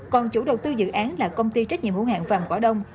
còn chủ đầu tư dự án là công ty trách nhiệm hữu hạng vàm cỏ đông